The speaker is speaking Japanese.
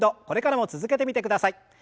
これからも続けてみてください。